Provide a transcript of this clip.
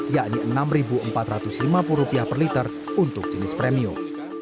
yakni rp enam empat ratus lima puluh per liter untuk jenis premium